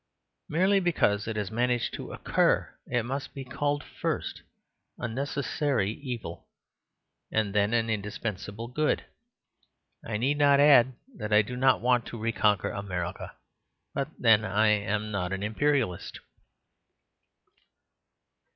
Merely because it has managed to occur it must be called first, a necessary evil, and then an indispensable good. I need not add that I do not want to reconquer America; but then I am not an Imperialist.